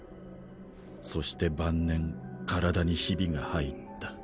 そして晩年身体にヒビが入った。